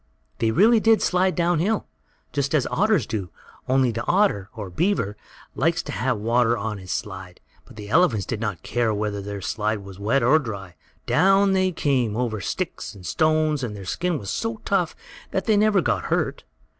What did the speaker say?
They really did slide down hill, just as otters do, only the otter, or beaver, likes to have water on his slide, and the elephants did not care whether their slide was wet or dry. Down they came, over sticks and stones, and their skin was so tough that they never got hurt.